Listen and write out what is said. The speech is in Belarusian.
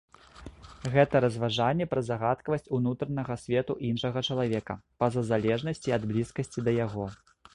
Гэта разважанне пра загадкавасць унутранага свету іншага чалавека, па-за залежнасці ад блізкасці да яго.